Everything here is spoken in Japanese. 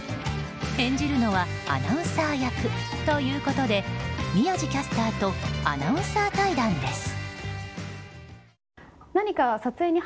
演じるのはアナウンサー役ということで宮司キャスターとアナウンサー対談です。